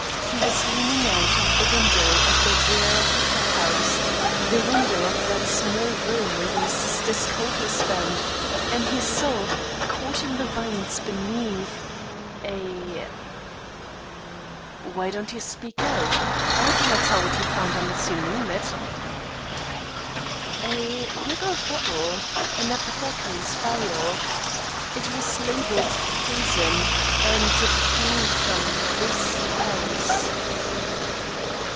He was leaning out of the window at the rear of the clubhouse the window of that small room where your sister's coat was found and he saw, caught in the vines beneath, a " "Why don't you speak out? I cannot tell what he found unless you name it." "A little bottle an apothecary's phial. It was labelled 'Poison,' and it came from this house."